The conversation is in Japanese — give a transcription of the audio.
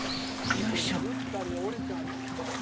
よいしょ。